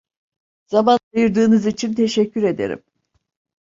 Zaman ayırdığınız için teşekkür ederim.